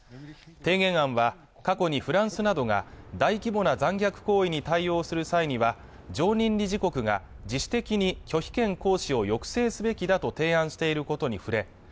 提言案は過去にフランスなどが大規模な残虐行為に対応する際には常任理事国が自主的に拒否権行使を抑制すべきだと提案していることに触れ